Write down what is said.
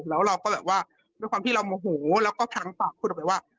แล้วเราก็แบบว่าด้วยความที่เราโมโหแล้วก็ครั้งปากพูดออกไปว่า